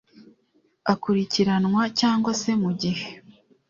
akurikiranwa cyangwa se mu gihe